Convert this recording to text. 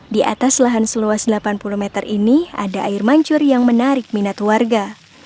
di atas lahan seluas delapan puluh meter ini ada air mancur yang menarik minat warga